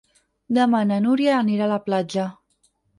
Demà na Núria anirà a la platja.